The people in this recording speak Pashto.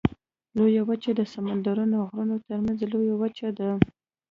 لویه وچه د سمندرونو غرونو ترمنځ لویه وچه ده.